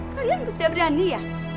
kalian sudah berani ya